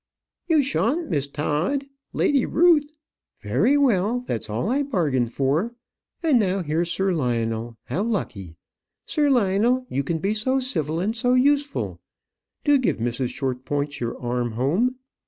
"You shan't, Miss Todd. Lady Ruth " "Very well; that's all I bargain for. And now here's Sir Lionel; how lucky! Sir Lionel, you can be so civil, and so useful. Do give Mrs. Shortpointz your arm home.